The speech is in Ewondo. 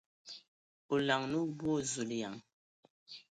O laŋanǝ o boo ! Zulǝyaŋ!